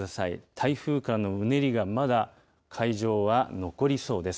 台風からのうねりが、まだ海上は残りそうです。